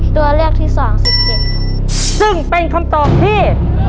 ตัวเลือกที่สองสิบเจ็ดค่ะซึ่งเป็นคำตอบที่